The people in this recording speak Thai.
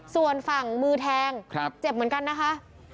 ส่วนฝั่งมือแทงเจ็บเหมือนกันนะคะ